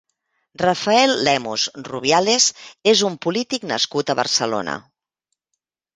Rafael Lemus Rubiales és un polític nascut a Barcelona.